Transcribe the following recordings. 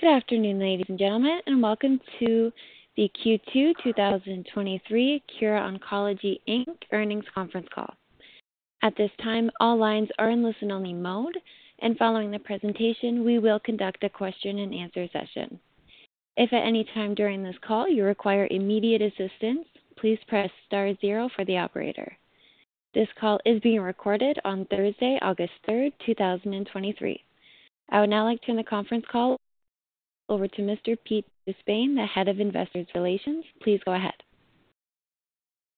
Good afternoon, ladies and gentlemen, and welcome to the Q2 2023 Kura Oncology, Inc Earnings Conference Call. At this time, all lines are in listen-only mode, and following the presentation, we will conduct a question-and-answer session. If at any time during this call you require immediate assistance, please press star zero for the operator. This call is being recorded on Thursday, August 3rd, 2023. I would now like to turn the conference call over to Mr. Pete De Spain, the Head of Investor Relations. Please go ahead.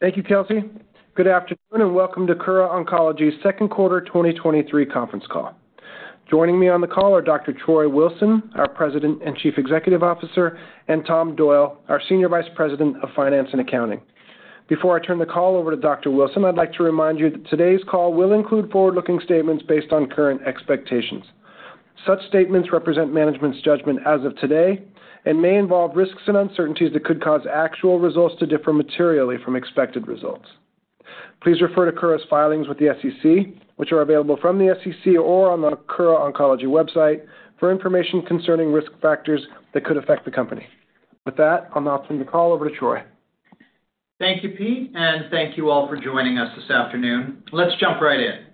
Thank you, Kelsey. Good afternoon, and welcome to Kura Oncology's second quarter 2023 conference call. Joining me on the call are Dr. Troy Wilson, our President and Chief Executive Officer, and Tom Doyle, our Senior Vice President of Finance and Accounting. Before I turn the call over to Dr. Wilson, I'd like to remind you that today's call will include forward-looking statements based on current expectations. Such statements represent management's judgment as of today and may involve risks and uncertainties that could cause actual results to differ materially from expected results. Please refer to Kura's filings with the SEC, which are available from the SEC or on the Kura Oncology website, for information concerning risk factors that could affect the company. With that, I'll now turn the call over to Troy. Thank you, Pete, and thank you all for joining us this afternoon. Let's jump right in.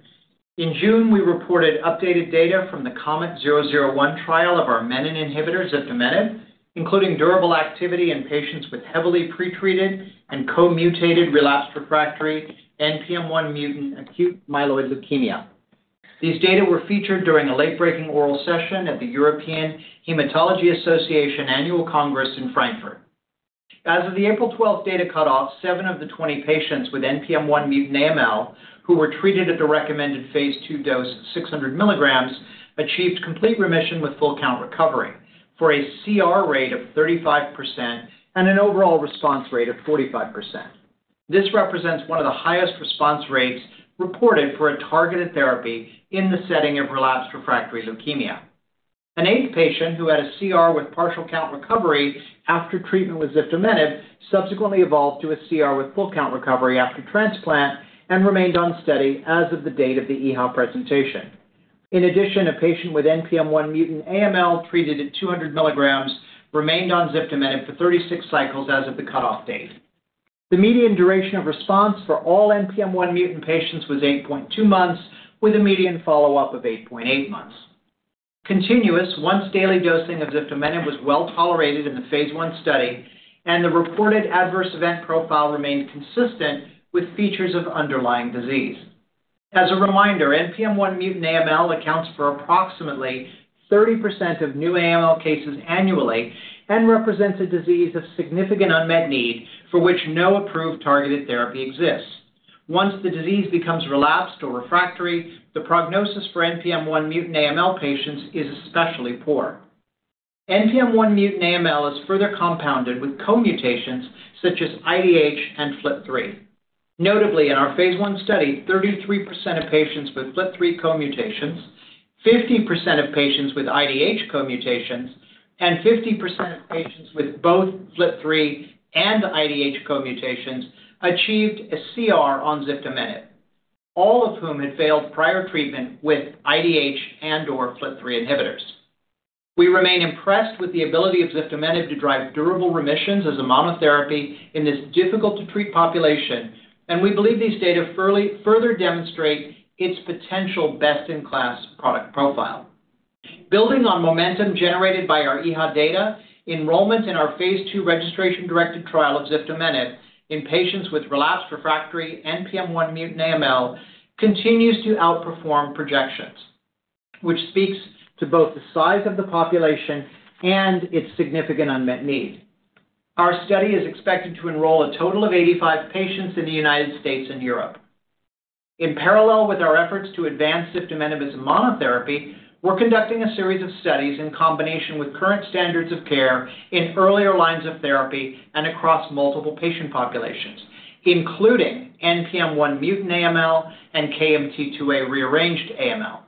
In June, we reported updated data from the KOMET-001 trial of our menin inhibitors ziftomenib, including durable activity in patients with heavily pretreated and co-mutated relapsed/refractory NPM1-mutant acute myeloid leukemia. These data were featured during a late-breaking oral session at the European Hematology Association Annual Congress in Frankfurt. As of the April 12 data cutoff, seven of the 20 patients with NPM1-mutant AML, who were treated at the phase II dose, 600mg, achieved complete remission with full count recovery for a CR rate of 35% and an overall response rate of 45%. This represents one of the highest response rates reported for a targeted therapy in the setting of relapsed/refractory leukemia. An eighth patient who had a CR with partial count recovery after treatment with ziftomenib subsequently evolved to a CR with full count recovery after transplant and remained on study as of the date of the EHA presentation. In addition, a patient with NPM1-mutant AML, treated at 200mg, remained on ziftomenib for 36 cycles as of the cutoff date. The median duration of response for all NPM1-mutant patients was 8.2 months, with a median follow-up of 8.8 months. Continuous once-daily dosing of ziftomenib was well tolerated in the phase I study, and the reported adverse event profile remained consistent with features of underlying disease. As a reminder, NPM1-mutant AML accounts for approximately 30% of new AML cases annually and represents a disease of significant unmet need for which no approved targeted therapy exists. Once the disease becomes relapsed or refractory, the prognosis for NPM1-mutant AML patients is especially poor. NPM1-mutant AML is further compounded with co-mutations such as IDH and FLT3. Notably, in our phase I study, 33% of patients with FLT3 co-mutations, 50% of patients with IDH co-mutations, and 50% of patients with both FLT3 and IDH co-mutations achieved a CR on ziftomenib, all of whom had failed prior treatment with IDH and/or FLT3 inhibitors. We remain impressed with the ability of ziftomenib to drive durable remissions as a monotherapy in this difficult-to-treat population, and we believe these data further demonstrate its potential best-in-class product profile. Building on momentum generated by our EHA data, enrollment in phase II registration-directed trial of ziftomenib in patients with relapsed or refractory NPM1-mutant AML continues to outperform projections, which speaks to both the size of the population and its significant unmet need. Our study is expected to enroll a total of 85 patients in the United States and Europe. In parallel with our efforts to advance ziftomenib as a monotherapy, we're conducting a series of studies in combination with current standards of care in earlier lines of therapy and across multiple patient populations, including NPM1-mutant AML and KMT2A-rearranged AML.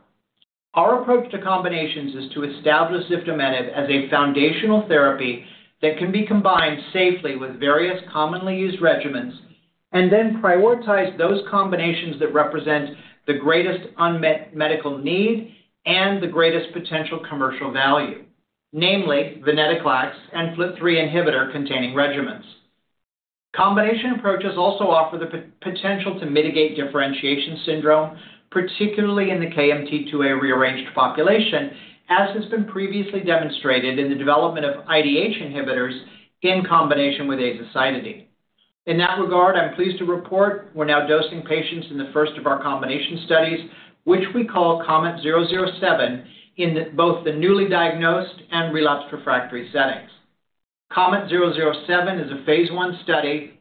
Our approach to combinations is to establish ziftomenib as a foundational therapy that can be combined safely with various commonly used regimens and then prioritize those combinations that represent the greatest unmet medical need and the greatest potential commercial value, namely venetoclax and FLT3 inhibitor-containing regimens. Combination approaches also offer the potential to mitigate differentiation syndrome, particularly in the KMT2A-rearranged population, as has been previously demonstrated in the development of IDH inhibitors in combination with azacitidine. In that regard, I'm pleased to report we're now dosing patients in the first of our combination studies, which we call KOMET-007, in both the newly diagnosed and relapsed/refractory settings. KOMET-007 is a phase I study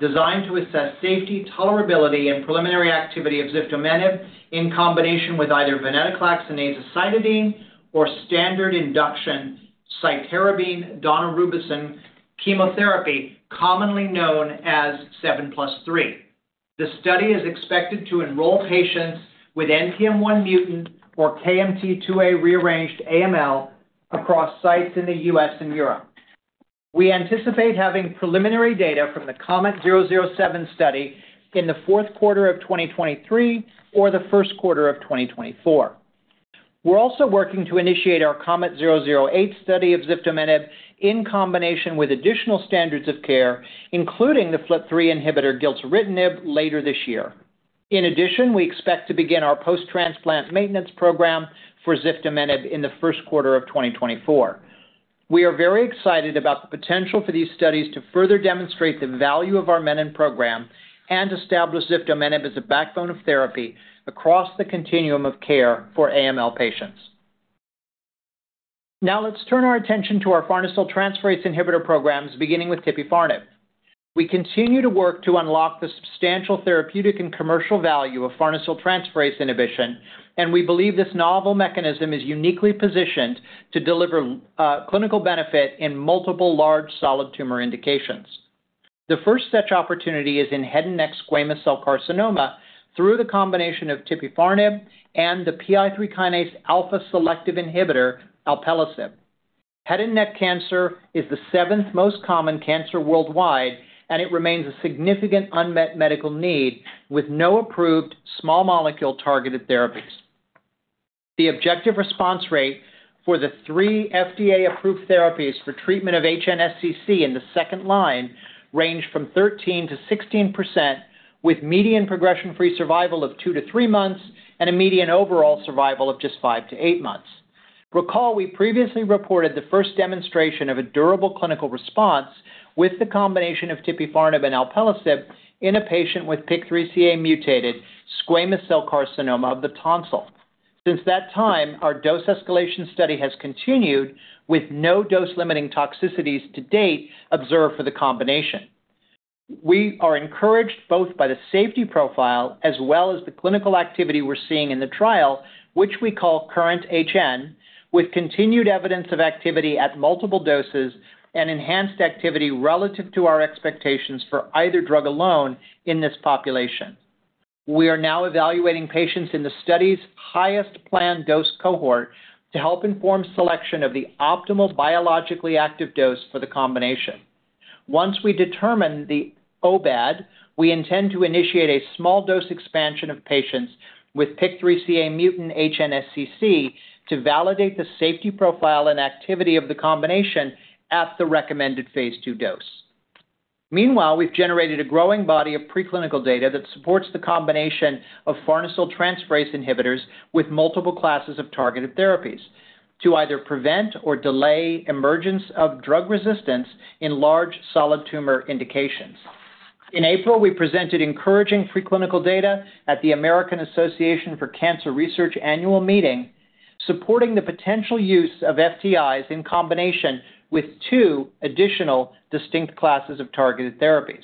designed to assess safety, tolerability, and preliminary activity of ziftomenib in combination with either venetoclax and azacitidine or standard induction cytarabine and daunorubicin chemotherapy, commonly known as 7+3. The study is expected to enroll patients with NPM1-mutant or KMT2A-rearranged AML across sites in the U.S. and Europe.... We anticipate having preliminary data from the KOMET-007 study in Q4 2023 or Q1 2024. We're also working to initiate our KOMET-008 study of ziftomenib in combination with additional standards of care, including the FLT3 inhibitor, gilteritinib, later this year. In addition, we expect to begin our post-transplant maintenance program for ziftomenib in Q1 2024. We are very excited about the potential for these studies to further demonstrate the value of our menin program and establish ziftomenib as a backbone of therapy across the continuum of care for AML patients. Now, let's turn our attention to our farnesyltransferase inhibitor programs, beginning with tipifarnib. We continue to work to unlock the substantial therapeutic and commercial value of farnesyltransferase inhibition. We believe this novel mechanism is uniquely positioned to deliver clinical benefit in multiple large solid tumor indications. The first such opportunity is in head and neck squamous cell carcinoma through the combination of tipifarnib and the PI3 kinase alpha selective inhibitor, alpelisib. Head and neck cancer is the seventh most common cancer worldwide. It remains a significant unmet medical need, with no approved small molecule-targeted therapies. The objective response rate for the three FDA-approved therapies for treatment of HNSCC in the second line ranged from 13%-16%, with median progression-free survival of two to three months and a median overall survival of just five to eight months. Recall, we previously reported the first demonstration of a durable clinical response with the combination of tipifarnib and alpelisib in a patient with PIK3CA-mutated squamous cell carcinoma of the tonsil. Since that time, our dose-escalation study has continued, with no dose-limiting toxicities to date observed for the combination. We are encouraged both by the safety profile as well as the clinical activity we're seeing in the trial, which we call KURRENT-HN, with continued evidence of activity at multiple doses and enhanced activity relative to our expectations for either drug alone in this population. We are now evaluating patients in the study's highest planned dose cohort to help inform selection of the optimal biologically active dose for the combination. Once we determine the OBAD, we intend to initiate a small dose expansion of patients with PIK3CA-mutant HNSCC to validate the safety profile and activity of the combination at the recommended phase II dose. Meanwhile, we've generated a growing body of preclinical data that supports the combination of farnesyltransferase inhibitors with multiple classes of targeted therapies to either prevent or delay emergence of drug resistance in large solid tumor indications. In April, we presented encouraging preclinical data at the American Association for Cancer Research annual meeting, supporting the potential use of FTIs in combination with two additional distinct classes of targeted therapies.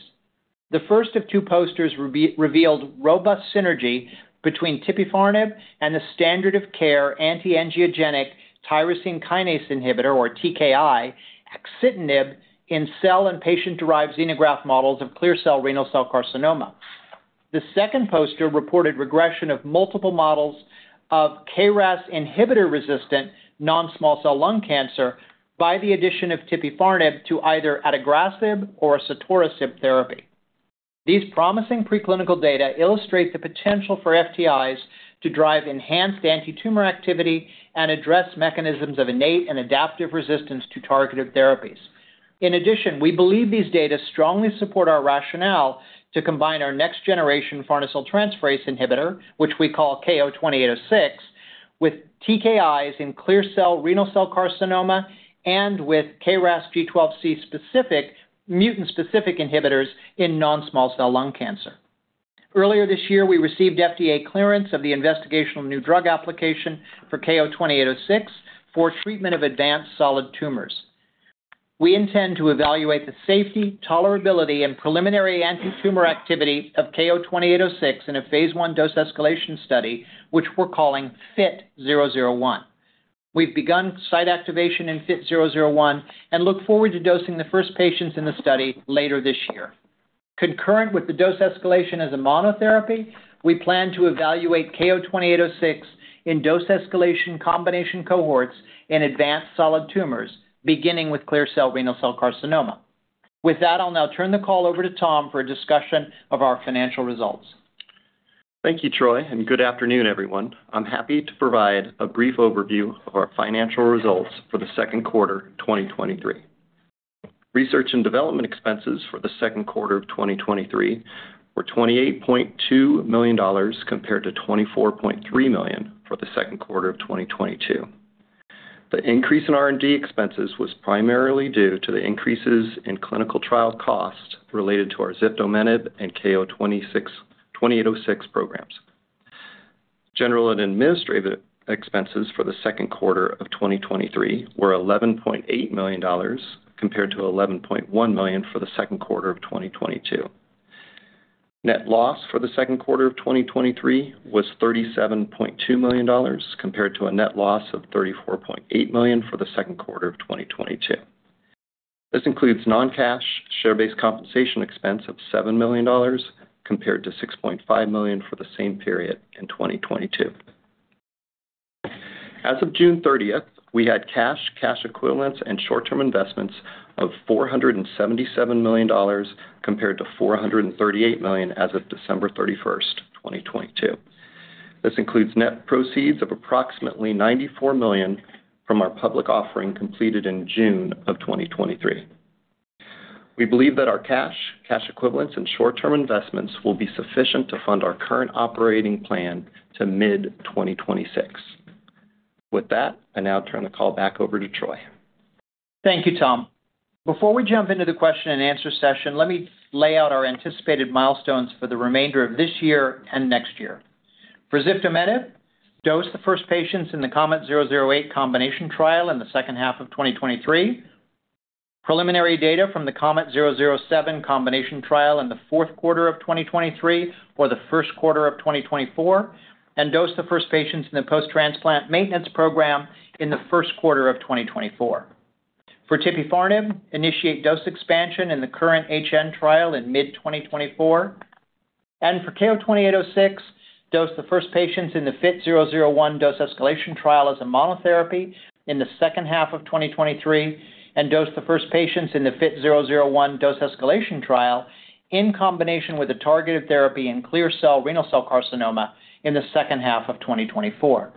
The first of two posters revealed robust synergy between tipifarnib and the standard-of-care anti-angiogenic tyrosine kinase inhibitor, or TKI, axitinib in cell and patient-derived xenograft models of clear cell renal cell carcinoma. The second poster reported regression of multiple models of KRAS inhibitor-resistant non-small cell lung cancer by the addition of tipifarnib to either adagrasib or sotorasib therapy. These promising preclinical data illustrate the potential for FTIs to drive enhanced antitumor activity and address mechanisms of innate and adaptive resistance to targeted therapies. We believe these data strongly support our rationale to combine our next-generation farnesyl transferase inhibitor, which we call KO-2806, with TKIs in clear cell renal cell carcinoma and with KRAS G12C-specific, mutant-specific inhibitors in non-small cell lung cancer. Earlier this year, we received FDA clearance of the investigational new drug application for KO-2806 for treatment of advanced solid tumors. We intend to evaluate the safety, tolerability, and preliminary antitumor activity of KO-2806 in a phase I dose-escalation study, which we're calling FIT-001. We've begun site activation in FIT-001 and look forward to dosing the first patients in the study later this year. Concurrent with the dose escalation as a monotherapy, we plan to evaluate KO-2806 in dose escalation combination cohorts in advanced solid tumors, beginning with clear cell renal cell carcinoma. With that, I'll now turn the call over to Tom for a discussion of our financial results. Thank you, Troy. Good afternoon, everyone. I'm happy to provide a brief overview of our financial results for the second quarter 2023. Research and development expenses for the second quarter of 2023 were $28.2 million, compared to $24.3 million for the second quarter of 2022. The increase in R&D expenses was primarily due to the increases in clinical trial costs related to our ziftomenib and KO-2806 programs. General and administrative expenses for the second quarter of 2023 were $11.8 million, compared to $11.1 million for the second quarter of 2022. Net loss for the second quarter of 2023 was $37.2 million, compared to a net loss of $34.8 million for the second quarter of 2022. This includes non-cash share-based compensation expense of $7 million, compared to $6.5 million for the same period in 2022. As of June 30th, we had cash, cash equivalents, and short-term investments of $477 million, compared to $438 million as of December 31st, 2022. This includes net proceeds of approximately $94 million from our public offering completed in June 2023. We believe that our cash, cash equivalents, and short-term investments will be sufficient to fund our current operating plan to mid-2026. With that, I now turn the call back over to Troy. Thank you, Tom. Before we jump into the question-and-answer session, let me lay out our anticipated milestones for the remainder of this year and next year. For ziftomenib, dose the first patients in the KOMET-008 combination trial in the second half of 2023. Preliminary data from the KOMET-007 combination trial in Q4 2023 or Q1 2024, and dose the first patients in the post-transplant maintenance program in Q1 2024. For tipifarnib, initiate dose expansion in the KURRENT-HN trial in mid-2024. For KO-2806, dose the first patients in the FIT-001 dose escalation trial as a monotherapy in the second half of 2023, and dose the first patients in the FIT-001 dose escalation trial in combination with a targeted therapy in clear cell renal cell carcinoma in the second half of 2024.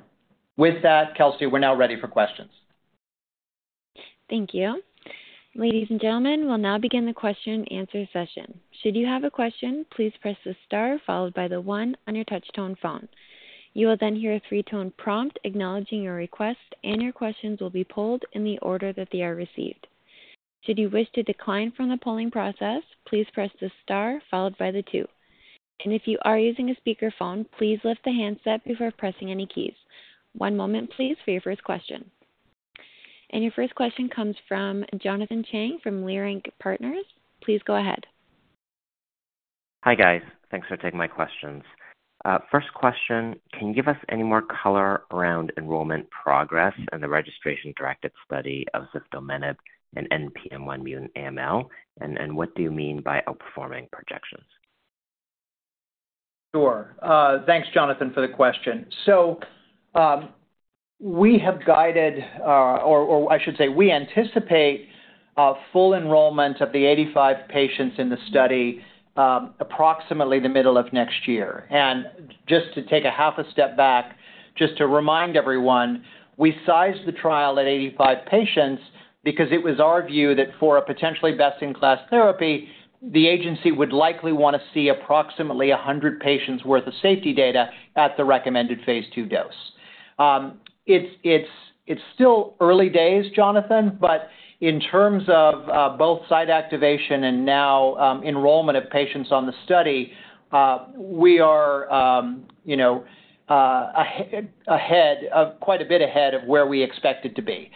With that, Kelsey, we're now ready for questions. Thank you. Ladies and gentlemen, we'll now begin the question and answer session. Should you have a question, please press the star followed by one on your touch-tone phone. You will then hear a three-tone prompt acknowledging your request. Your questions will be polled in the order that they are received. Should you wish to decline from the polling process, please press the star followed by two. If you are using a speakerphone, please lift the handset before pressing any keys. 1 moment, please, for your first question. Your first question comes from Jonathan Chang from Leerink Partners. Please go ahead. Hi, guys. Thanks for taking my questions. First question, can you give us any more color around enrollment progress and the registration-directed study of ziftomenib and NPM1-mutant AML? What do you mean by outperforming projections? Sure. Thanks, Jonathan, for the question. We have guided, or, or I should say, we anticipate, full enrollment of the 85 patients in the study, approximately the middle of next year. Just to take a half a step back, just to remind everyone, we sized the trial at 85 patients because it was our view that for a potentially best-in-class therapy, the agency would likely want to see approximately 100 patients worth of safety data at the phase II dose. It's, it's, it's still early days, Jonathan, but in terms of, both site activation and now, enrollment of patients on the study, we are, you know, ahead, quite a bit ahead of where we expected to be.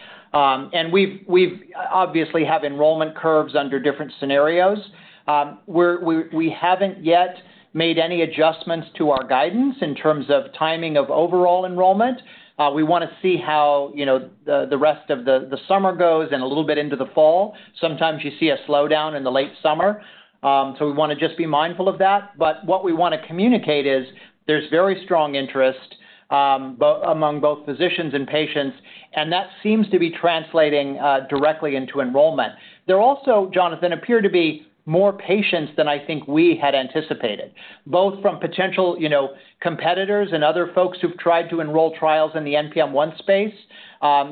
We've, we've obviously have enrollment curves under different scenarios. We're haven't yet made any adjustments to our guidance in terms of timing of overall enrollment. We want to see how, you know, the rest of the summer goes and a little bit into the fall. Sometimes you see a slowdown in the late summer, so we want to just be mindful of that. What we want to communicate is there's very strong interest among both physicians and patients, and that seems to be translating directly into enrollment. There also, Jonathan, appear to be more patients than I think we had anticipated, both from potential, you know, competitors and other folks who've tried to enroll trials in the NPM1 space.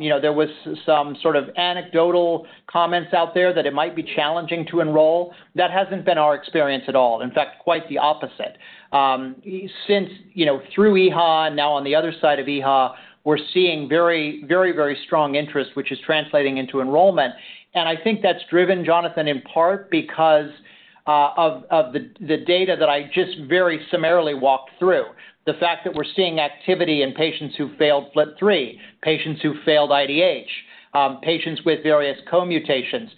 You know, there was some sort of anecdotal comments out there that it might be challenging to enroll. That hasn't been our experience at all. In fact, quite the opposite. Since, you know, through EHA, now on the other side of EHA, we're seeing very, very, very strong interest, which is translating into enrollment. I think that's driven, Jonathan, in part because of the data that I just very summarily walked through. The fact that we're seeing activity in patients who failed FLT3, patients who failed IDH, patients with various co-mutations.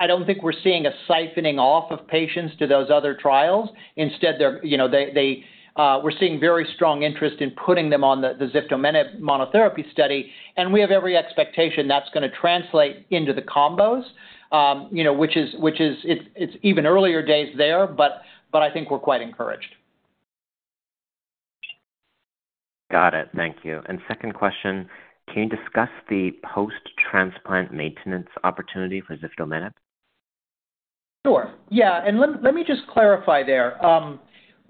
I don't think we're seeing a siphoning off of patients to those other trials. Instead, they're, you know, they, they, we're seeing very strong interest in putting them on the ziftomenib monotherapy study, and we have every expectation that's going to translate into the combos. You know, which is, it's even earlier days there, but, but I think we're quite encouraged. Got it. Thank you. Second question, can you discuss the post-transplant maintenance opportunity for ziftomenib? Sure. Yeah, and let, let me just clarify there.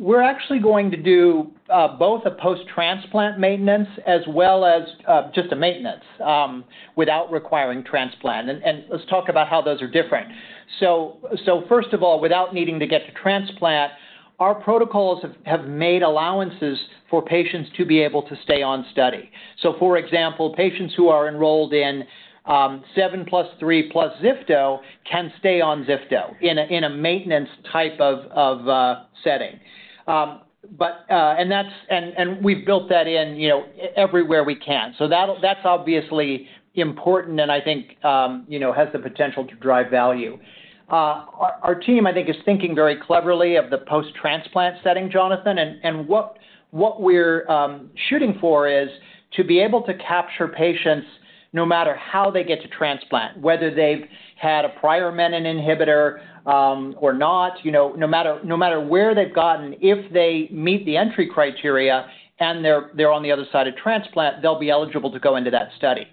We're actually going to do both a post-transplant maintenance as well as just a maintenance without requiring transplant. Let's talk about how those are different. First of all, without needing to get to transplant, our protocols have made allowances for patients to be able to stay on study. For example, patients who are enrolled in 7+3 plus ziftomenib can stay on zifto, in a maintenance type of setting. We've built that in, you know, everywhere we can. That's obviously important and I think, you know, has the potential to drive value. Our team, I think, is thinking very cleverly of the post-transplant setting, Jonathan, what we're shooting for is to be able to capture patients no matter how they get to transplant, whether they've had a prior menin inhibitor or not, you know, no matter where they've gotten, if they meet the entry criteria and they're on the other side of transplant, they'll be eligible to go into that study.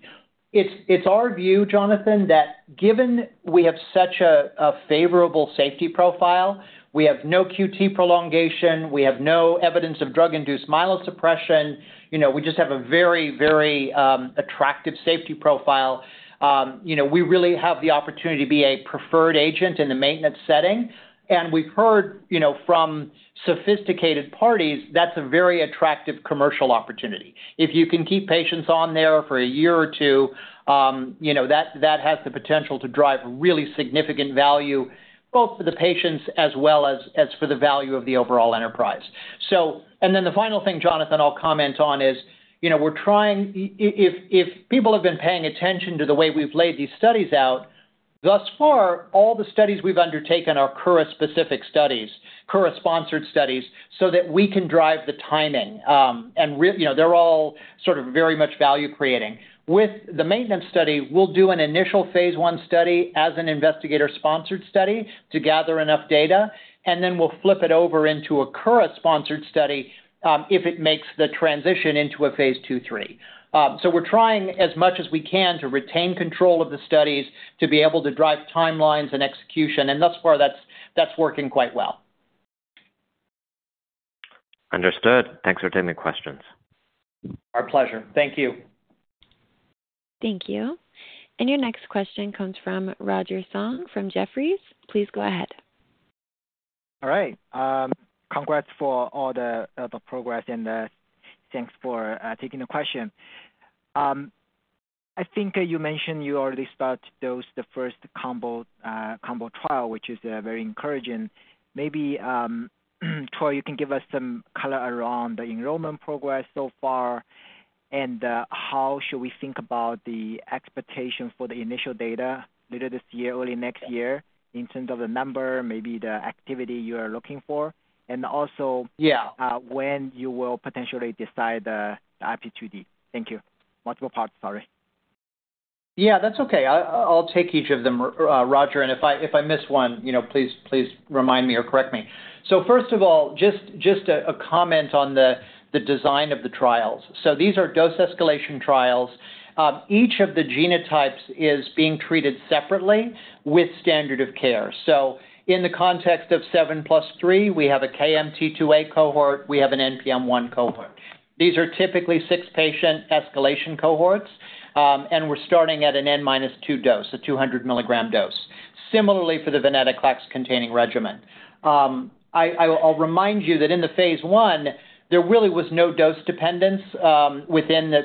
It's our view, Jonathan, that given we have such a favorable safety profile, we have no QT prolongation, we have no evidence of drug-induced myelosuppression. You know, we just have a very, very attractive safety profile. We really have the opportunity to be a preferred agent in the maintenance setting, and we've heard, you know, from sophisticated parties, that's a very attractive commercial opportunity. If you can keep patients on there for a year or two, you know, that, that has the potential to drive really significant value, both for the patients as well as, as for the value of the overall enterprise. The final thing, Jonathan, I'll comment on is, you know, we're trying if, if people have been paying attention to the way we've laid these studies out, thus far, all the studies we've undertaken are Kura specific studies, Kura-sponsored studies, so that we can drive the timing. You know, they're all sort of very much value-creating. With the maintenance study, we'll do an initial phase I study as an investigator-sponsored study to gather enough data, and then we'll flip it over into a Kura-sponsored study, if it makes the transition into phase II, III. We're trying as much as we can to retain control of the studies, to be able to drive timelines and execution, and thus far, that's, that's working quite well. Understood. Thanks for taking the questions. Our pleasure. Thank you. Thank you. Your next question comes from Roger Song from Jefferies. Please go ahead. All right. Congrats for all the progress and thanks for taking the question. I think you mentioned you already started those, the first combo trial, which is very encouraging. Maybe, Troy, you can give us some color around the enrollment progress so far, and how should we think about the expectation for the initial data later this year, early next year, in terms of the number, maybe the activity you are looking for? Also when you will potentially decide the IP2D? Thank you. Multiple parts, sorry. Yeah, that's okay. I'll take each of them, Roger, and if I, if I miss one, you know, please, please remind me or correct me. First of all, just a comment on the design of the trials. These are dose escalation trials. Each of the genotypes is being treated separately with standard of care. In the context of 7+3, we have a KMT2A cohort, we have an NPM1 cohort. These are typically six-patient escalation cohorts, and we're starting at an N minus two dose, a 200mg dose. Similarly for the venetoclax-containing regimen. I'll remind you that in the phase I, there really was no dose dependence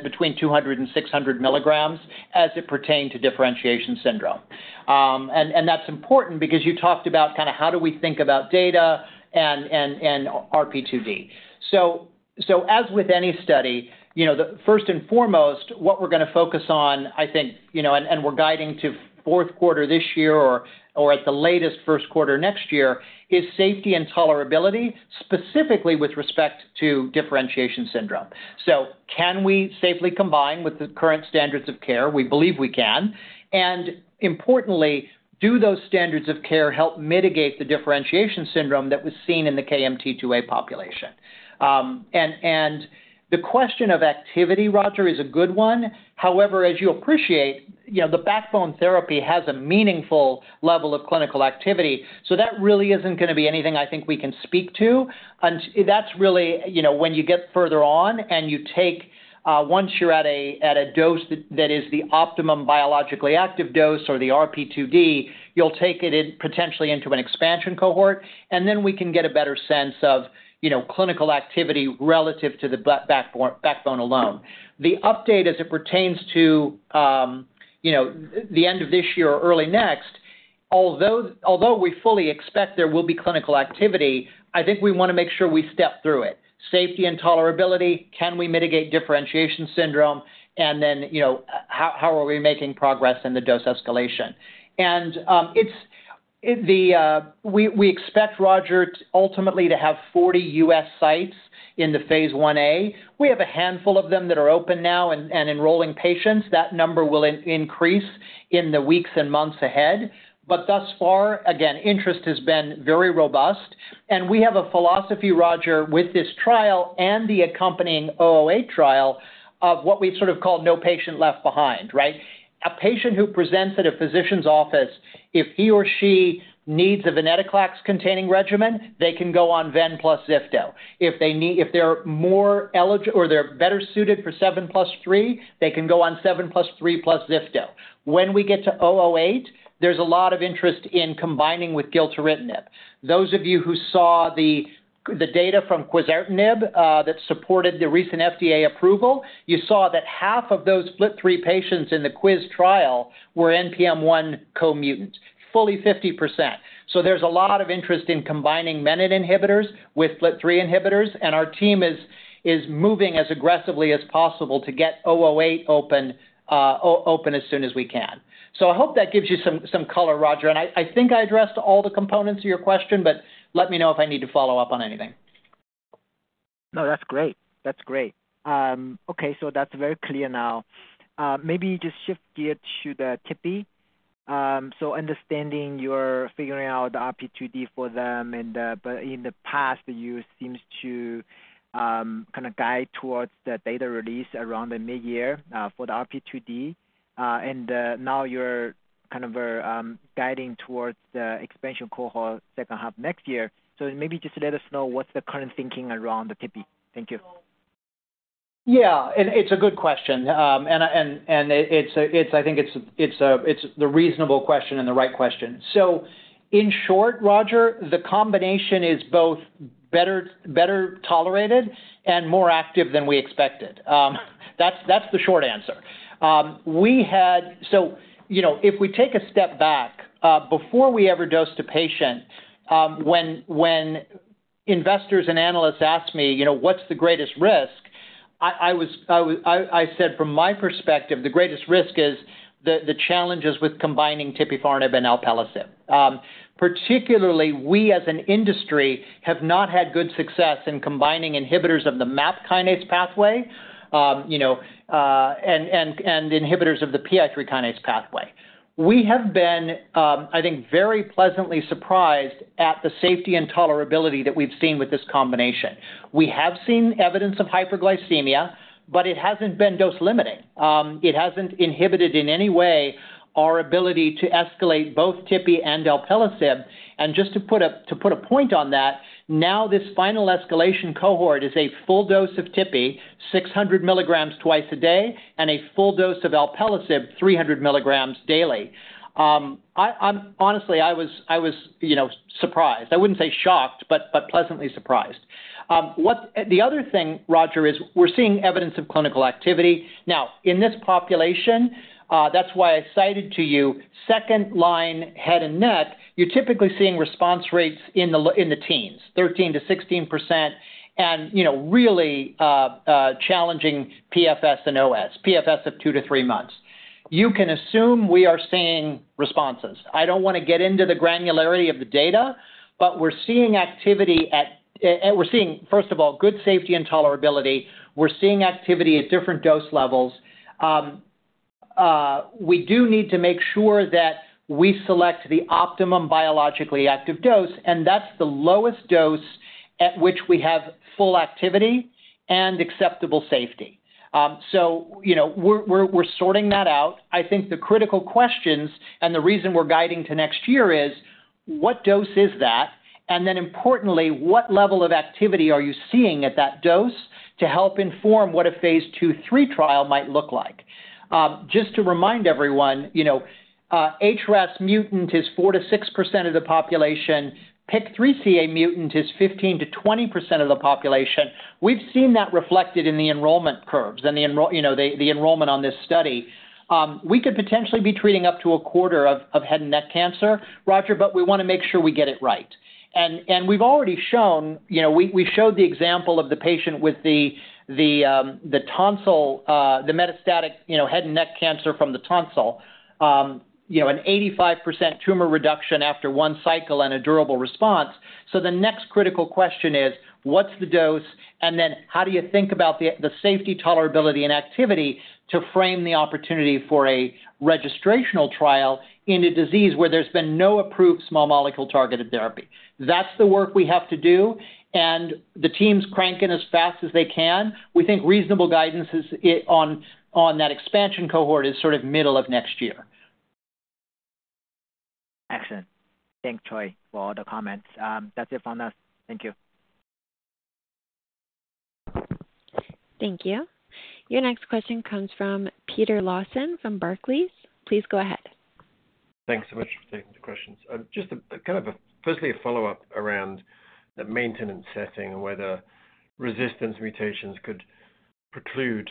between 200 and 600mg as it pertained to differentiation syndrome. That's important because you talked about kinda how do we think about data and RP2D. As with any study, you know, the first and foremost, what we're gonna focus on, I think, you know, and, and we're guiding to fourth quarter this year or at the latest, first quarter next year, is safety and tolerability, specifically with respect to differentiation syndrome. Can we safely combine with the current standards of care? We believe we can. Importantly, do those standards of care help mitigate the differentiation syndrome that was seen in the KMT2A population? The question of activity, Roger, is a good one. However, as you appreciate, you know, the backbone therapy has a meaningful level of clinical activity, so that really isn't gonna be anything I think we can speak to. That's really, you know, when you get further on and you take, once you're at a, at a dose that is the optimal biologically active dose or the RP2D, you'll take it in potentially into an expansion cohort, and then we can get a better sense of, you know, clinical activity relative to the backbone alone. The update as it pertains to, you know, the end of this year or early next, although, although we fully expect there will be clinical activity, I think we wanna make sure we step through it. Safety and tolerability, can we mitigate differentiation syndrome? Then, you know, how, how are we making progress in the dose escalation? The, we, we expect, Roger, ultimately to have 40 U.S. sites in the phase IA. We have a handful of them that are open now and, and enrolling patients. That number will increase in the weeks and months ahead, but thus far, again, interest has been very robust. We have a philosophy, Roger, with this trial and the accompanying O08 trial, of what we've sort of called no patient left behind, right? A patient who presents at a physician's office, if he or she needs a venetoclax-containing regimen, they can go on ven plus zifto. If they're more eligible or they're better suited for 7+3, they can go on 7+3 plus zifto. When we get to O08, there's a lot of interest in combining with gilteritinib. Those of you who saw the data from quizartinib that supported the recent FDA approval, you saw that half of those FLT3 patients in the quiz trial were NPM1 co-mutants, fully 50%. There's a lot of interest in combining menin inhibitors with FLT3 inhibitors, and our team is, is moving as aggressively as possible to get 008 open as soon as we can. I hope that gives you some, some color, Roger, and I, I think I addressed all the components of your question, but let me know if I need to follow up on anything. No, that's great. That's great. Okay, so that's very clear now. Maybe just shift gear to the tipi. Understanding you're figuring out the RP2D for them, and, but in the past, you seems to, kind of guide towards the data release around the mid-year, for the RP2D. Now you're kind of, guiding towards the expansion cohort second half of next year. Maybe just let us know what's the current thinking around the tipi. Thank you. Yeah, it's a good question. I think it's, it's a, it's the reasonable question and the right question. In short, Roger, the combination is both better, better tolerated and more active than we expected. That's, that's the short answer. We had-- you know, if we take a step back, before we ever dosed a patient, when, when investors and analysts asked me, you know, "What's the greatest risk?" I said, "From my perspective, the greatest risk is the, the challenges with combining tipifarnib and alpelisib." Particularly, we, as an industry, have not had good success in combining inhibitors of the MAP kinase pathway, you know, and, and, and inhibitors of the PI3 kinase pathway. We have been, I think, very pleasantly surprised at the safety and tolerability that we've seen with this combination. We have seen evidence of hyperglycemia, but it hasn't been dose-limiting. It hasn't inhibited in any way our ability to escalate both tipi and alpelisib. Just to put a, to put a point on that, now this final escalation cohort is a full dose of tipi, 600mg twice a day, and a full dose of alpelisib, 300mg daily. Honestly, I was, you know, surprised. I wouldn't say shocked, but pleasantly surprised. What... The other thing, Roger, is we're seeing evidence of clinical activity. Now, in this population, that's why I cited to you second-line head and neck, you're typically seeing response rates in the teens, 13%-16%, and, you know, really, challenging PFS and OS. PFS of two to three months. You can assume we are seeing responses. I don't wanna get into the granularity of the data, but we're seeing activity at we're seeing, first of all, good safety and tolerability. We're seeing activity at different dose levels. We do need to make sure that we select the optimal biologically active dose, and that's the lowest dose at which we have full activity and acceptable safety. You know, we're, we're, we're sorting that out. I think the critical questions and the reason we're guiding to next year is: What dose is that? Then importantly, what level of activity are you seeing at that dose to help inform what phase II, III trial might look like? Just to remind everyone, you know, HRAS mutant is 4%-6% of the population. PIK3CA-mutant is 15%-20% of the population. We've seen that reflected in the enrollment curves and you know, enrollment on this study. We could potentially be treating up to a quarter of head and neck cancer, Roger, but we wanna make sure we get it right. We've already shown, you know, we showed the example of the patient with the tonsil, the metastatic, you know, head and neck cancer from the tonsil. You know, an 85% tumor reduction after one cycle and a durable response. The next critical question is: What's the dose? And then, how do you think about the, the safety, tolerability, and activity to frame the opportunity for a registrational trial in a disease where there's been no approved small molecule targeted therapy? That's the work we have to do, and the teams cranking as fast as they can. We think reasonable guidance is, it, on, on that expansion cohort is sort of middle of next year. Excellent. Thanks, Troy, for all the comments. That's it from us. Thank you. Thank you. Your next question comes from Peter Lawson from Barclays. Please go ahead. Thanks so much for taking the questions. Just firstly, a follow-up around the maintenance setting, whether resistance mutations could preclude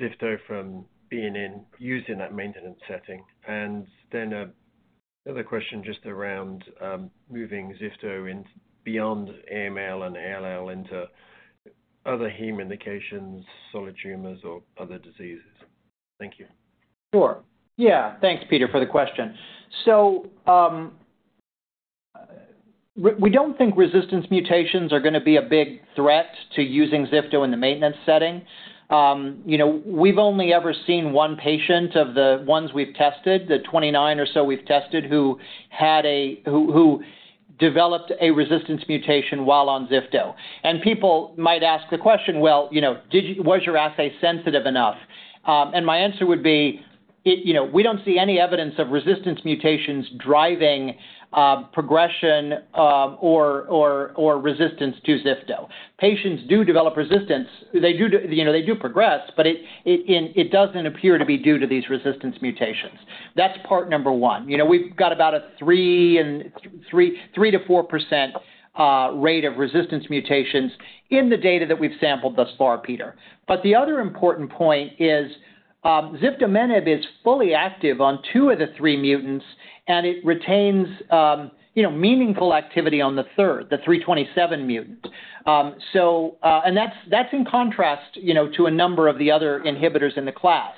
ziftomenib from being in, used in that maintenance setting. Then another question just around moving ziftomenib into beyond AML and ALL into other heme indications, solid tumors, or other diseases. Thank you. Sure. Yeah. Thanks, Peter, for the question. We don't think resistance mutations are gonna be a big threat to using zifto in the maintenance setting. You know, we've only ever seen 1 patient of the ones we've tested, the 29 or so we've tested, who developed a resistance mutation while on zifto. People might ask the question: Well, you know, was your assay sensitive enough? My answer would be, you know, we don't see any evidence of resistance mutations driving progression or resistance to zifto. Patients do develop resistance. They do, you know, they do progress, but it doesn't appear to be due to these resistance mutations. That's part number one. You know, we've got about a 3% to 4% rate of resistance mutations in the data that we've sampled thus far, Pete. The other important point is, ziftomenib is fully active on two of the three mutants, and it retains, you know, meaningful activity on the third, the 327 mutant. And that's, that's in contrast, you know, to a number of the other inhibitors in the class.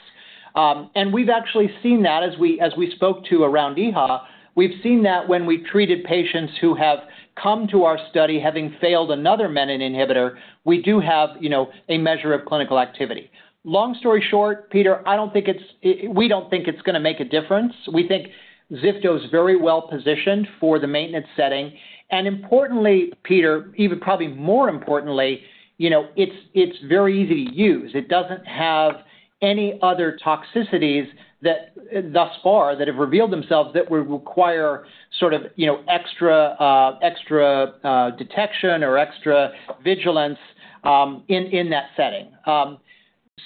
And we've actually seen that as we, as we spoke to around EHA. We've seen that when we treated patients who have come to our study, having failed another menin inhibitor, we do have, you know, a measure of clinical activity. Long story short, Pete, we don't think it's gonna make a difference. We think zifto is very well positioned for the maintenance setting. Importantly, Peter, even probably more importantly, you know, it's, it's very easy to use. It doesn't have any other toxicities that, thus far, that have revealed themselves that would require sort of, you know, extra, extra detection or extra vigilance in that setting.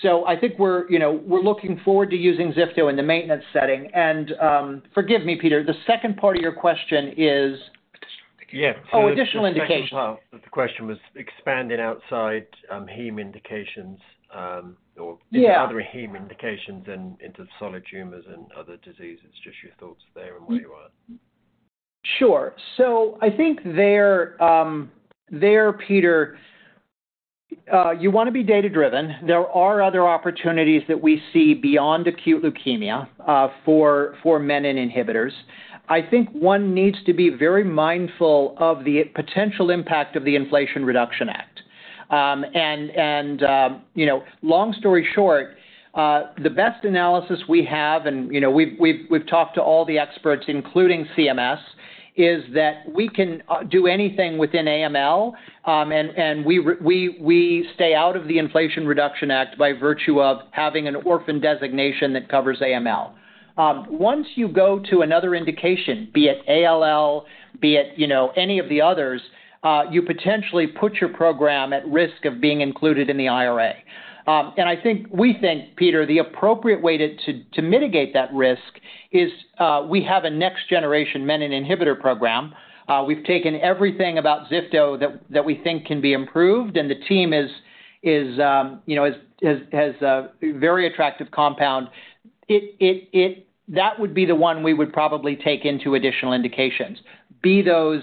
So I think we're, you know, we're looking forward to using zifto in the maintenance setting. Forgive me, Pete, the second part of your question is? Additional indication. Oh, additional indication. The second part of the question was expanding outside, heme indications. Yeah. Other heme indications and into solid tumors and other diseases. Just your thoughts there and where you are? Sure. I think there, there, Peter, you want to be data-driven. There are other opportunities that we see beyond acute leukemia, for menin inhibitors. I think one needs to be very mindful of the potential impact of the Inflation Reduction Act. you know, long story short, the best analysis we have, and, you know, we've talked to all the experts, including CMS, is that we can do anything within AML, and we, we stay out of the Inflation Reduction Act by virtue of having an orphan designation that covers AML. Once you go to another indication, be it ALL, be it, you know, any of the others, you potentially put your program at risk of being included in the IRA. I think, we think, Pete, the appropriate way to, to mitigate that risk is, we have a next generation menin inhibitor program. We've taken everything about zifto that, that we think can be improved, and the team is, is, you know, has, has, a very attractive compound. That would be the one we would probably take into additional indications, be those,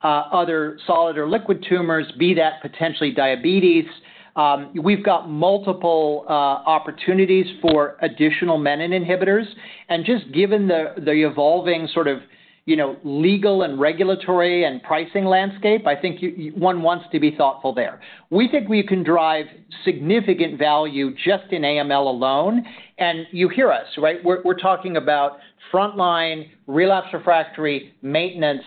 other solid or liquid tumors, be that potentially diabetes. We've got multiple opportunities for additional menin inhibitors. Just given the, the evolving sort of, you know, legal and regulatory and pricing landscape, I think one wants to be thoughtful there. We think we can drive significant value just in AML alone, and you hear us, right? We're, we're talking about frontline, relapse, refractory, maintenance.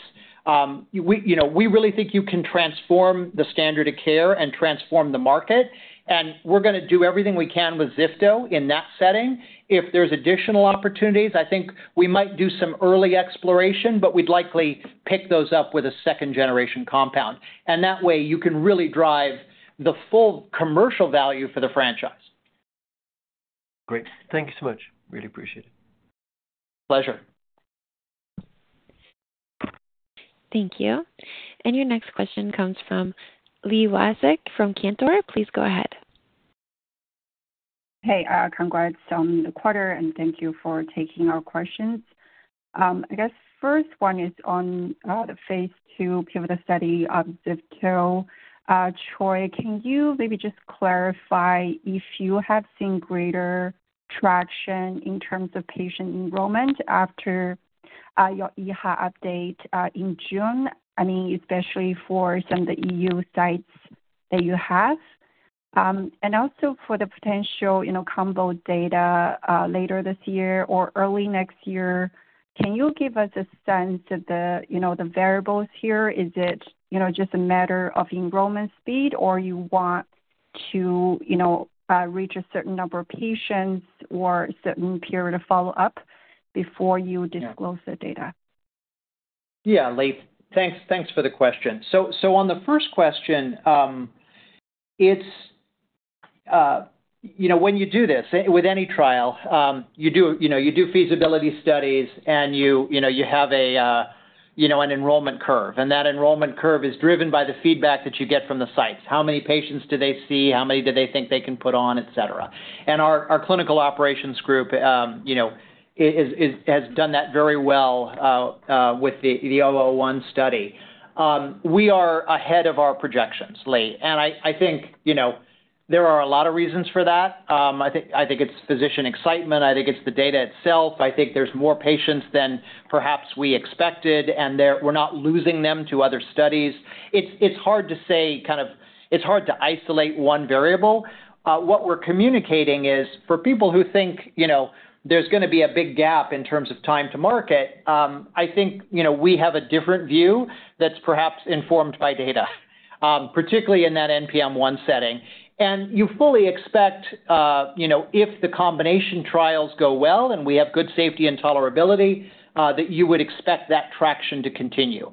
We, you know, we really think you can transform the standard of care and transform the market, and we're gonna do everything we can with zifto in that setting. If there's additional opportunities, I think we might do some early exploration, but we'd likely pick those up with a second-generation compound. That way, you can really drive the full commercial value for the franchise. Great. Thank you so much. Really appreciate it. Pleasure. Thank you. Your next question comes from Li Watsek from Cantor. Please go ahead. Hey, congrats on the quarter, thank you for taking our questions. I guess first one is on phase II pivotal study of zifto. Troy, can you maybe just clarify if you have seen greater traction in terms of patient enrollment after your EHA update in June? I mean, especially for some of the EU sites that you have. Also for the potential, you know, combo data later this year or early next year, can you give us a sense of the, you know, the variables here? Is it, you know, just a matter of enrollment speed, or you want to, you know, reach a certain number of patients or a certain period of follow-up before you disclose the data? Yeah, Li. Thanks, thanks for the question. On the first question, it's, you know, when you do this, with any trial, you do, you know, you do feasibility studies, and you, you know, you have a, you know, an enrollment curve. That enrollment curve is driven by the feedback that you get from the sites. How many patients do they see? How many do they think they can put on, et cetera. Our, our clinical operations group, you know, is, is, has done that very well, with the, the 001 Study. We are ahead of our projections, Li, and I, I think, you know, there are a lot of reasons for that. I think, I think it's physician excitement. I think it's the data itself. I think there's more patients than perhaps we expected, and we're not losing them to other studies. It's, it's hard to say, kind of... It's hard to isolate one variable. What we're communicating is, for people who think, you know, there's gonna be a big gap in terms of time to market, I think, you know, we have a different view that's perhaps informed by data, particularly in that NPM1 setting. You fully expect, you know, if the combination trials go well and we have good safety and tolerability, that you would expect that traction to continue.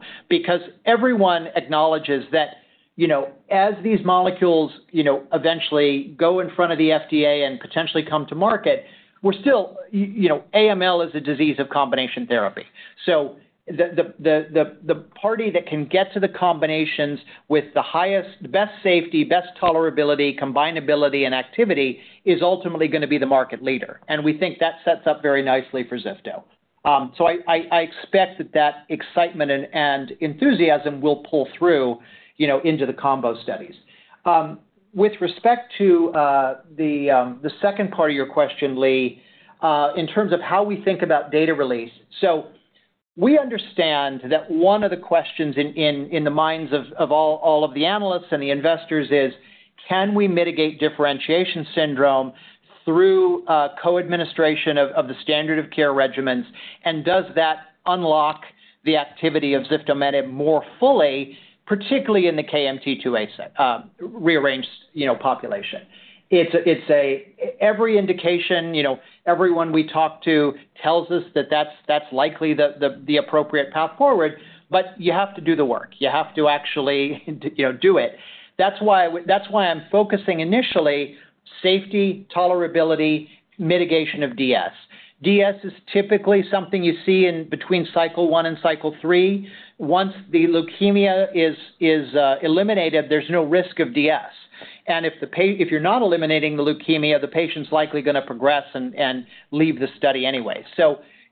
Everyone acknowledges that, you know, as these molecules, you know, eventually go in front of the FDA and potentially come to market, we're still, you know, AML is a disease of combination therapy. The party that can get to the combinations with the highest, best safety, best tolerability, combinability, and activity, is ultimately gonna be the market leader, and we think that sets up very nicely for zifto. I expect that, that excitement and enthusiasm will pull through, you know, into the combo studies. With respect to the second part of your question, Li, in terms of how we think about data release. We understand that one of the questions in the minds of all of the analysts and the investors is: Can we mitigate differentiation syndrome through co-administration of the standard of care regimens, and does that unlock the activity of ziftomenib more fully, particularly in the KMT2A-rearranged, you know, population? It's a, it's a every indication, you know, everyone we talk to tells us that that's, that's likely the, the, the appropriate path forward, but you have to do the work. You have to actually, you know, do it. That's why, that's why I'm focusing initially, safety, tolerability, mitigation of DS. DS is typically something you see in between cycle one and cycle three. Once the leukemia is, is eliminated, there's no risk of DS. If you're not eliminating the leukemia, the patient's likely gonna progress and, and leave the study anyway.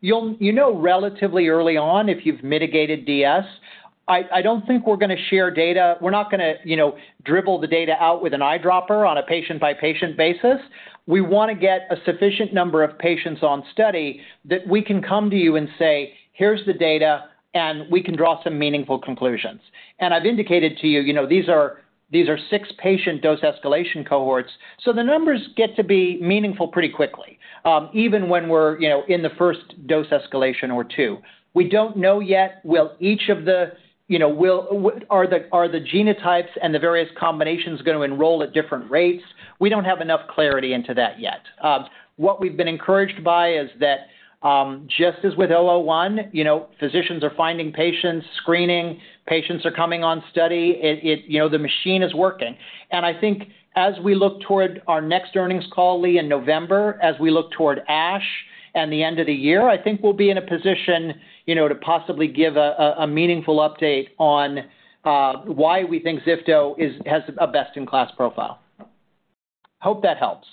You'll You know, relatively early on, if you've mitigated DS, I, I don't think we're gonna share data. We're not gonna, you know, dribble the data out with an eyedropper on a patient-by-patient basis. We wanna get a sufficient number of patients on study that we can come to you and say, "Here's the data, and we can draw some meaningful conclusions." I've indicated to you, you know, these are, these are six patient dose escalation cohorts, so the numbers get to be meaningful pretty quickly, even when we're, you know, in the first dose escalation or two. We don't know yet will each of the, you know, will, are the, are the genotypes and the various combinations gonna enroll at different rates? We don't have enough clarity into that yet. What we've been encouraged by is that, just as with KOMET-001, you know, physicians are finding patients, screening, patients are coming on study. You know, the machine is working. I think as we look toward our next earnings call, Li, in November, as we look toward Ash and the end of the year, I think we'll be in a position, you know, to possibly give a meaningful update on why we think ziftomenib is, has a best-in-class profile. Hope that helps.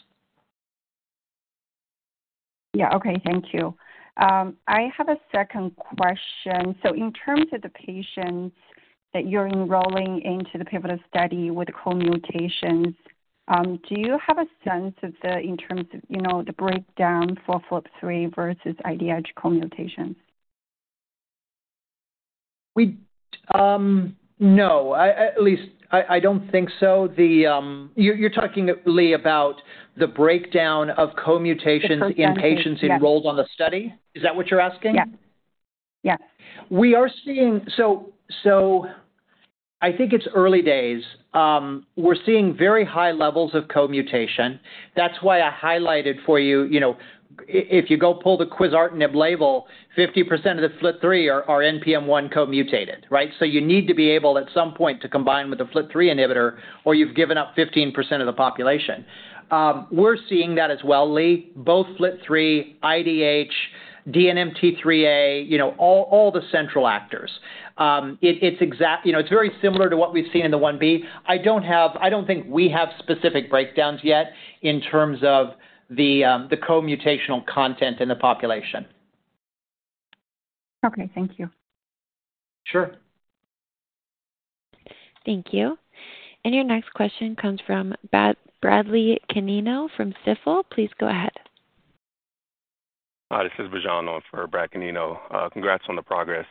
Yeah, okay. Thank you. I have a second question. In terms of the patients that you're enrolling into the pivotal study with co-mutations, do you have a sense of the, in terms of, you know, the breakdown for FLT3 versus IDH co-mutations? No, at least I don't think so. You're talking, Li, about the breakdown of co-mutations... The co-mutations, yes. In patients enrolled on the study? Is that what you're asking? Yeah. Yeah. We are seeing. I think it's early days. We're seeing very high levels of co-mutation. That's why I highlighted for you, you know, if you go pull the Quizartinib label, 50% of the FLT3 are, are NPM1 co-mutated, right? You need to be able, at some point, to combine with a FLT3 inhibitor, or you've given up 15% of the population. We're seeing that as well, Li. Both FLT3, IDH, DNMT3A, you know, all, all the central actors. You know, it's very similar to what we've seen in the 1B. I don't think we have specific breakdowns yet in terms of the co-mutational content in the population. Okay, thank you. Sure. Thank you. Your next question comes from Bradley Canino from Stifel. Please go ahead. Hi, this is Bejan for Brad Canino. Congrats on the progress.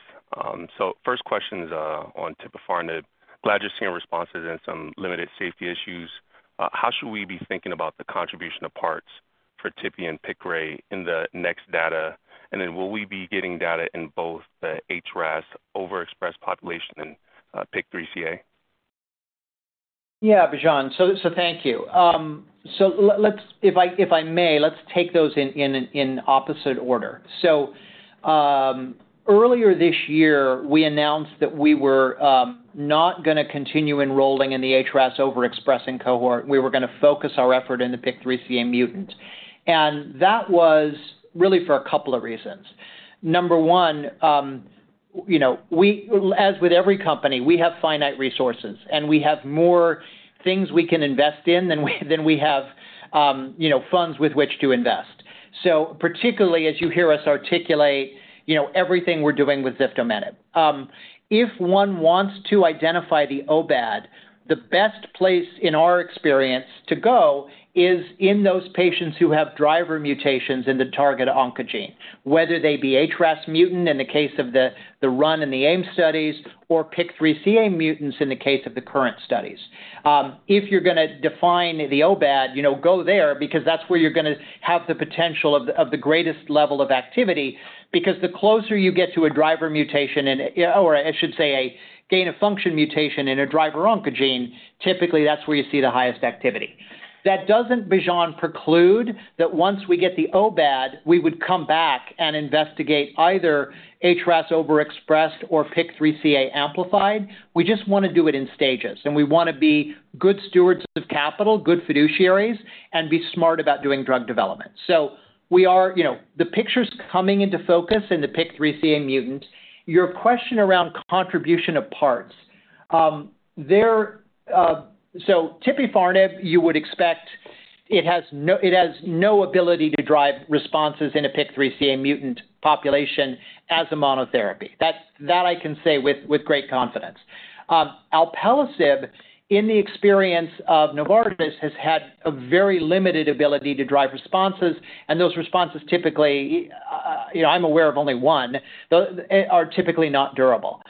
First question is on tipifarnib. Glad you're seeing responses and some limited safety issues. How should we be thinking about the contribution of parts for tipi and alpelisib in the next data? Will we be getting data in both the HRAS overexpressed population and PIK3CA? Yeah, Bejan. Thank you. Let's if I may, let's take those in, in, in opposite order. Earlier this year, we announced that we were not gonna continue enrolling in the HRAS overexpressing cohort. We were gonna focus our effort in the PIK3CA-mutant, and that was really for a couple of reasons. Number one, you know, we, as with every company, we have finite resources, and we have more things we can invest in than we, than we have, you know, funds with which to invest. Particularly as you hear us articulate, you know, everything we're doing with ziftomenib, if one wants to identify the OBAD, the best place in our experience to go is in those patients who have driver mutations in the target oncogene, whether they be HRAS mutant in the case of the run and the aim studies, or PIK3CA mutants in the case of the current studies. If you're gonna define the OBAD, you know, go there because that's where you're gonna have the potential of the greatest level of activity, because the closer you get to a driver mutation and, or I should say, a gain-of-function mutation in a driver oncogene, typically, that's where you see the highest activity. That doesn't, Bejan, preclude that once we get the OBAD, we would come back and investigate either HRAS overexpressed or PIK3CA amplified. We just want to do it in stages, and we want to be good stewards of capital, good fiduciaries, and be smart about doing drug development. We are. You know, the picture's coming into focus in the PIK3CA-mutant. Your question around contribution of parts. There, so tipifarnib, you would expect. It has no, it has no ability to drive responses in a PIK3CA-mutant population as a monotherapy. That, that I can say with, with great confidence. Alpelisib, in the experience of Novartis, has had a very limited ability to drive responses, and those responses typically, you know, I'm aware of only one, are typically not durable.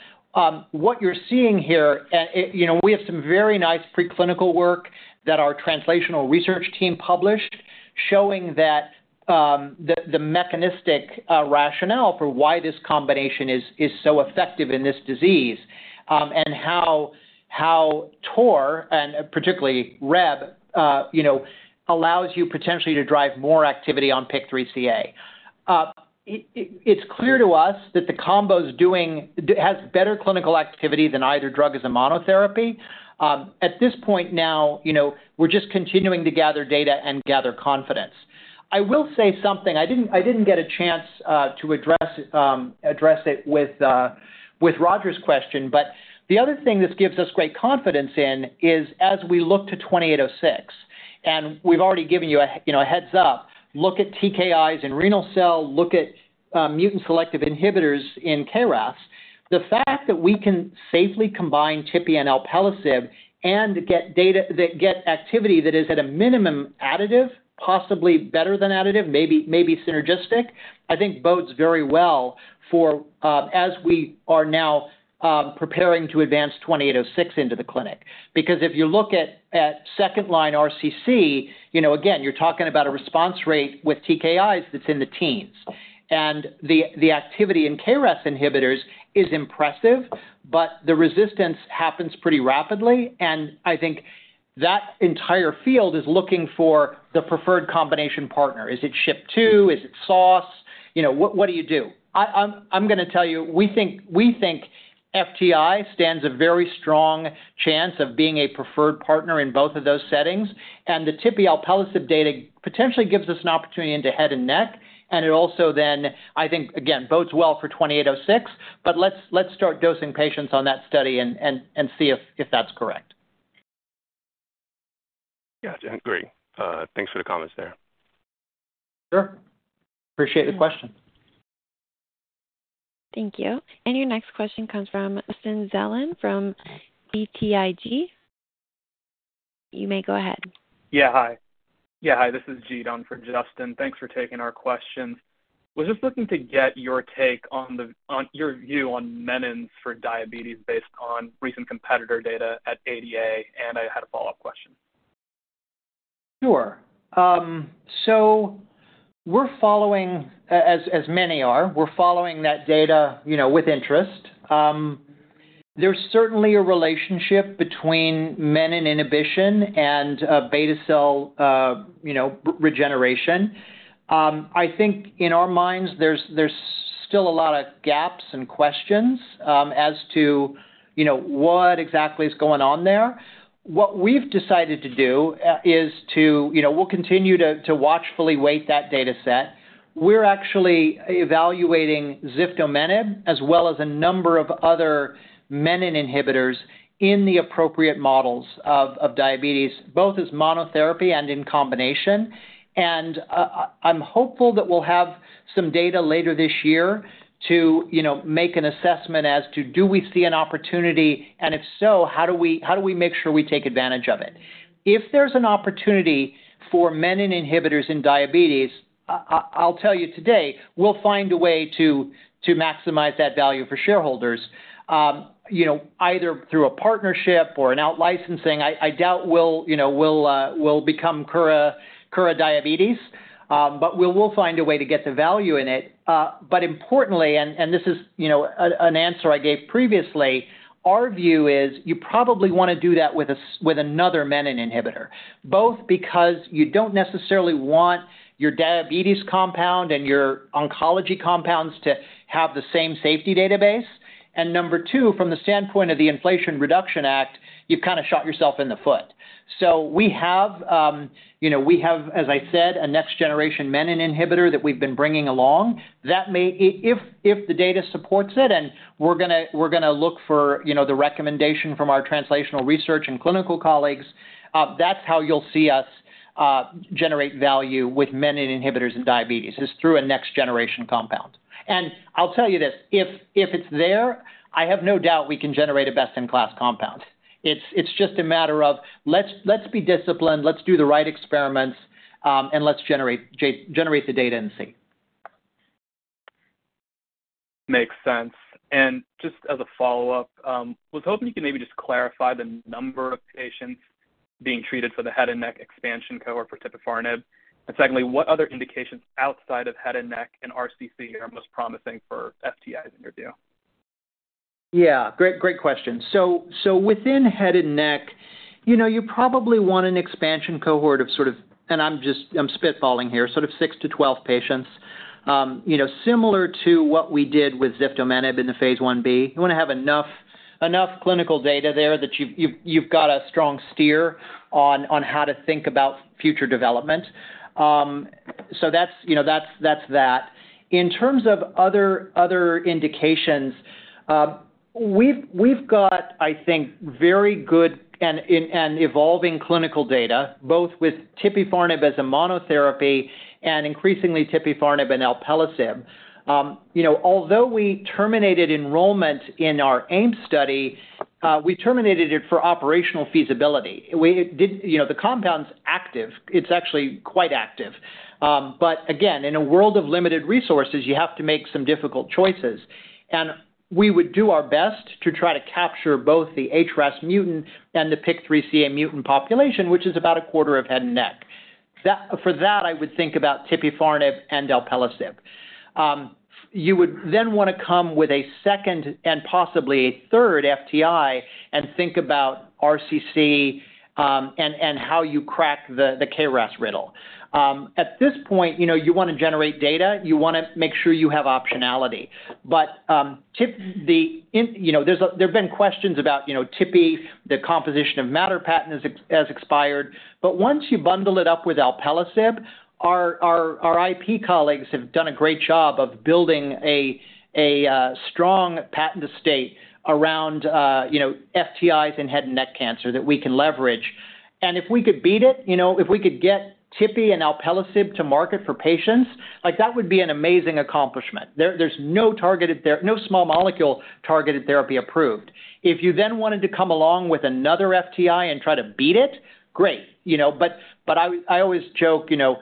What you're seeing here, you know, we have some very nice preclinical work that our translational research team published, showing that the mechanistic rationale for why this combination is, is so effective in this disease, and how, how TOR, and particularly REB, you know, allows you potentially to drive more activity on PIK3CA. It, it, it's clear to us that the combo's has better clinical activity than either drug as a monotherapy. At this point now, you know, we're just continuing to gather data and gather confidence. I will say something, I didn't get a chance to address address it with with Roger's question. The other thing this gives us great confidence in is as we look to KO-2806, and we've already given you a, you know, a heads up, look at TKIs in renal cell, look at mutant selective inhibitors in KRAS. The fact that we can safely combine tipi and alpelisib and get activity that is at a minimum additive, possibly better than additive, maybe, maybe synergistic, I think bodes very well for as we are now preparing to advance KO-2806 into the clinic. If you look at, at second-line RCC, you know, again, you're talking about a response rate with TKIs that's in the teens. The activity in KRAS inhibitors is impressive, but the resistance happens pretty rapidly, and I think that entire field is looking for the preferred combination partner. Is it SHP2? Is it SOS? You know, what, what do you do? I'm gonna tell you, we think FTI stands a very strong chance of being a preferred partner in both of those settings. The tipifarnib alpelisib data potentially gives us an opportunity into head and neck cancer, and it also then, I think, again, bodes well for KO-2806, but let's start dosing patients on that study and see if that's correct. Yeah, I agree. Thanks for the comments there. Sure. Appreciate the question. Thank you. Your next question comes from Justin Zelin from BTIG. You may go ahead. Yeah, hi. Yeah, hi, this is [Dong] for Justin. Thanks for taking our questions. Was just looking to get your take on your view on menin for diabetes based on recent competitor data at ADA. I had a follow-up question. Sure. We're following, as, as many are, we're following that data, you know, with interest. There's certainly a relationship between menin inhibition and, beta cell, you know, regeneration. I think in our minds, there's, there's still a lot of gaps and questions, as to, you know, what exactly is going on there. What we've decided to do, is to, you know, we'll continue to, to watchfully wait that data set. We're actually evaluating ziftomenib, as well as a number of other menin inhibitors in the appropriate models of, of diabetes, both as monotherapy and in combination. I'm hopeful that we'll have some data later this year to, you know, make an assessment as to do we see an opportunity, and if so, how do we make sure we take advantage of it? If there's an opportunity for menin inhibitors in diabetes, I'll tell you today, we'll find a way to, to maximize that value for shareholders, you know, either through a partnership or an out-licensing. Idoubt we'll, you know, we'll become Kura Diabetes, but we will find a way to get the value in it. Importantly, and, and this is, you know, an, an answer I gave previously, our view is you probably wanna do that with a s- with another menin inhibitor. Both because you don't necessarily want your diabetes compound and your oncology compounds to have the same safety database, and number two, from the standpoint of the Inflation Reduction Act, you've kind of shot yourself in the foot. We have, you know, we have, as I said, a next-generation menin inhibitor that we've been bringing along. That may, if the data supports it, and we're gonna, we're gonna look for, you know, the recommendation from our translational research and clinical colleagues, that's how you'll see us generate value with menin inhibitors in diabetes, is through a next-generation compound. I'll tell you this, if, if it's there, I have no doubt we can generate a best-in-class compound. It's just a matter of let's be disciplined, let's do the right experiments, and let's generate the data and see. Makes sense. Just as a follow-up, was hoping you could maybe just clarify the number of patients being treated for the head and neck expansion cohort for tipifarnib. Secondly, what other indications outside of head and neck and RCC are most promising for FTIs, in your view? Yeah, great, great question. Within head and neck, you know, you probably want an expansion cohort of sort of, and I'm just, I'm spitballing here, sort of six to 12 patients. You know, similar to what we did with ziftomenib in the phase Ib. You wanna have enough, enough clinical data there, that you've, you've, you've got a strong steer on, on how to think about future development. That's, you know, that's that. In terms of other, other indications, we've got, I think, very good and, and, and evolving clinical data, both with tipifarnib as a monotherapy and increasingly tipifarnib and alpelisib. You know, although we terminated enrollment in our AIM study, we terminated it for operational feasibility. We did, you know, the compound's active, it's actually quite active. Again, in a world of limited resources, you have to make some difficult choices. We would do our best to try to capture both the HRAS mutant and the PIK3CA mutant population, which is about a quarter of head and neck. For that, I would think about tipifarnib and alpelisib. You would then wanna come with a second and possibly a third FTI and think about RCC, and how you crack the KRAS riddle. At this point, you know, you wanna generate data, you wanna make sure you have optionality. You know, there's, there have been questions about, you know, tipi, the composition of matter patent has expired. Once you bundle it up with alpelisib, our, our, our IP colleagues have done a great job of building a, a, strong patent estate around, you know, FTIs in head and neck cancer that we can leverage. If we could beat it, you know, if we could get tipi and alpelisib to market for patients, like, that would be an amazing accomplishment. There, there's no targeted there, no small molecule targeted therapy approved. If you then wanted to come along with another FTI and try to beat it, great, you know. But, but I, I always joke, you know,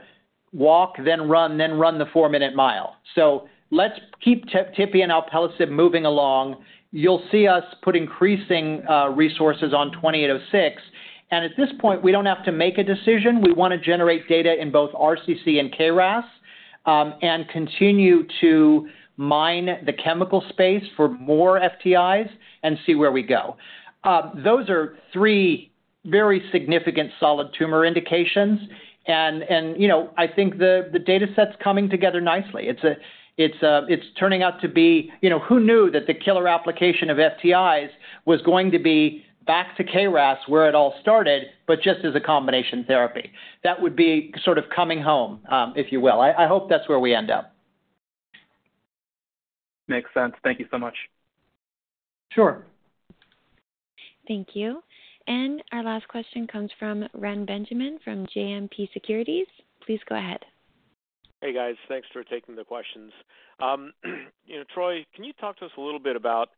walk, then run, then run the four-minute mile. Let's keep tipi and alpelisib moving along. You'll see us put increasing, resources on KO-2806, and at this point, we don't have to make a decision. We wanna generate data in both RCC and KRAS, and continue to mine the chemical space for more FTIs and see where we go. Those are three very significant solid tumor indications, and, and, you know, I think the, the data set's coming together nicely. It's turning out to be... You know, who knew that the killer application of FTIs was going to be back to KRAS, where it all started, but just as a combination therapy? That would be sort of coming home, if you will. I, I hope that's where we end up. Makes sense. Thank you so much. Sure. Thank you. Our last question comes from Ren Benjamin from JMP Securities. Please go ahead. Hey, guys. Thanks for taking the questions. You know, Troy, can you talk to us a little bit about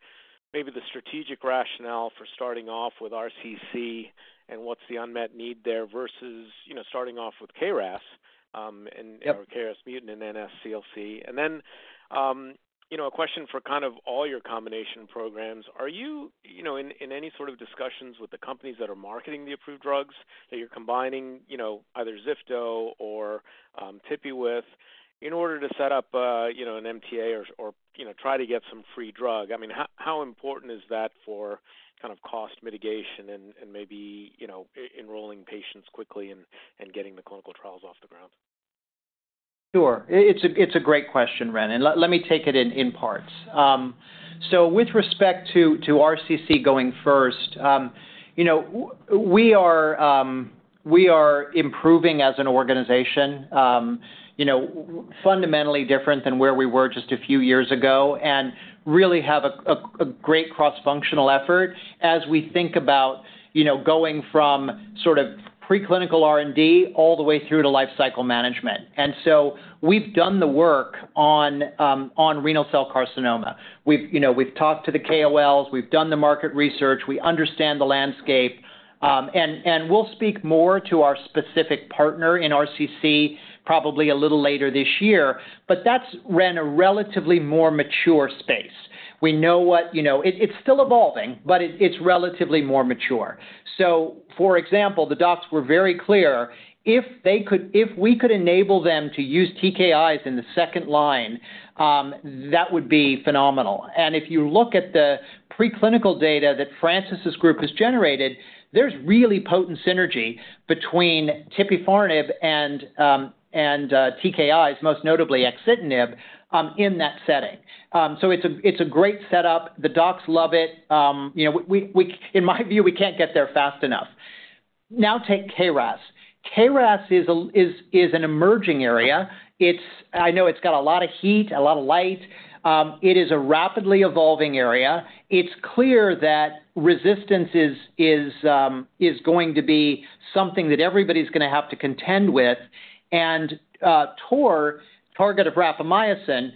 maybe the strategic rationale for starting off with RCC and what's the unmet need there versus, you know, starting off with KRAS, and/or KRAS mutant and NSCLC? Then, you know, a question for kind of all your combination programs. Are you, you know, in, in any sort of discussions with the companies that are marketing the approved drugs that you're combining, you know, either zifto or tipi with, in order to set up a, you know, an MTA or, or, you know, try to get some free drug? I mean, how, how important is that for kind of cost mitigation and, and maybe, you know, enrolling patients quickly and, and getting the clinical trials off the ground? Sure. It's a, it's a great question, Ren, and let, let me take it in, in parts. So with respect to, to RCC going first, you know, we are improving as an organization, you know, fundamentally different than where we were just a few years ago, and really have a great cross-functional effort as we think about, you know, going from sort of preclinical R&D all the way through to lifecycle management. So we've done the work on renal cell carcinoma. We've, you know, we've talked to the KOLs, we've done the market research, we understand the landscape, we'll speak more to our specific partner in RCC, probably a little later this year, but that's ran a relatively more mature space. We know what... You know, it, it's still evolving, but it, it's relatively more mature. For example, the docs were very clear, if we could enable them to use TKIs in the second line, that would be phenomenal. If you look at the preclinical data that Francis' group has generated, there's really potent synergy between tipifarnib and TKIs, most notably axitinib, in that setting. It's a, it's a great setup. The docs love it. You know, we, in my view, we can't get there fast enough. Take KRAS. KRAS is an emerging area. I know it's got a lot of heat, a lot of light. It is a rapidly evolving area. It's clear that resistance is going to be something that everybody's going to have to contend with. TOR, target of rapamycin,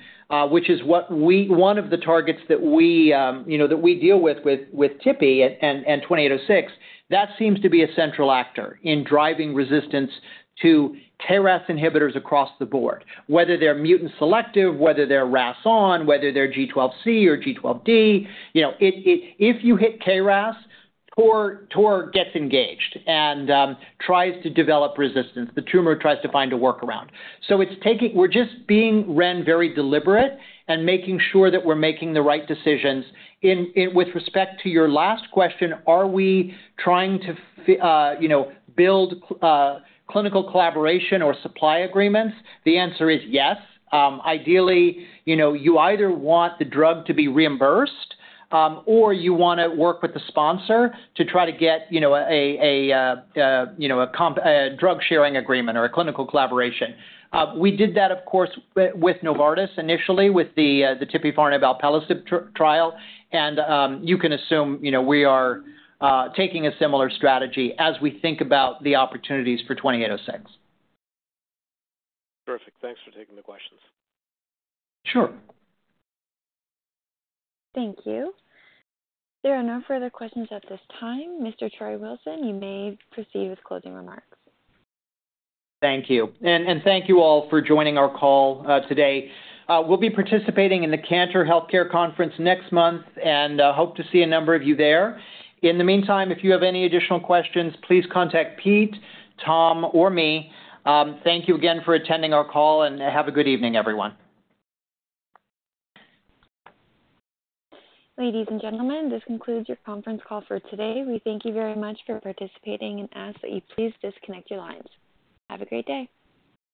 which is one of the targets that we, you know, that we deal with, with tipi and KO-2806, that seems to be a central actor in driving resistance to KRAS inhibitors across the board, whether they're mutant selective, whether they're RAS on, whether they're G12C or G12D. You know, if you hit KRAS, TOR gets engaged and tries to develop resistance. The tumor tries to find a workaround. It's taking-- we're just being, Ren, very deliberate and making sure that we're making the right decisions. In with respect to your last question, are we trying to fi-, you know, build cl- clinical collaboration or supply agreements? The answer is yes. Ideally, you know, you either want the drug to be reimbursed, or you wanna work with the sponsor to try to get, you know, a drug-sharing agreement or a clinical collaboration. We did that, of course, with, with Novartis initially, with the tipifarnib alpelisib trial. You can assume, you know, we are taking a similar strategy as we think about the opportunities for 2806. Perfect. Thanks for taking the questions. Sure. Thank you. There are no further questions at this time. Mr. Troy Wilson, you may proceed with closing remarks. Thank you. And thank you all for joining our call today. We'll be participating in the Cantor Health Care Conference next month, and hope to see a number of you there. In the meantime, if you have any additional questions, please contact Pete, Tom, or me. Thank you again for attending our call, and have a good evening, everyone. Ladies and gentlemen, this concludes your conference call for today. We thank you very much for participating and ask that you please disconnect your lines. Have a great day!